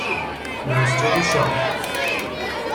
مسجد شاه